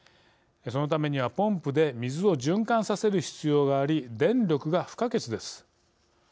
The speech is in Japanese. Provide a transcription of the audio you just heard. そのためにはポンプで水を循環させる必要があり電力が不可欠です。